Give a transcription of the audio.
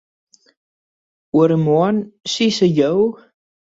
Oaremoarn, sizze jo?